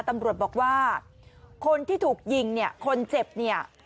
ตำรวจบอกว่าคนที่ถูกยิงเนี่ยคนเจ็บเนี่ย